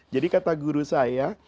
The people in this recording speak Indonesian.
jadi kata guru saya